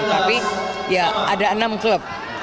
tapi ya ada enam klub